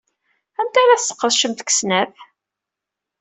Anta ara tesqedcemt deg-sent?